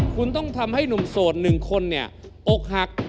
คุณต้องทำให้หนุ่มโสดนิ่งคนออกหัก